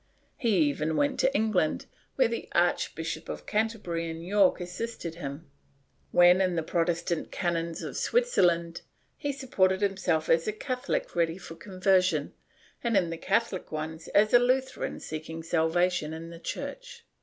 He even went to England, where the Archbishops of Canterbury and York assisted him. Then, in the Protestant cantons of Switzerland, he supported himself as a Catholic ready for conversion, and in the Catholic ones as a Lutheran seeking salvation in the Church.